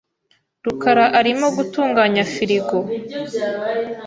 rukara arimo gutunganya firigo .